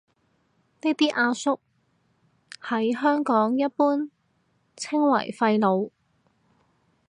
呢啲阿叔喺香港一般稱為廢老